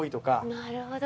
なるほど。